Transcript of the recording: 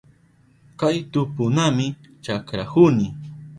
Kay tuputami chakrahuni.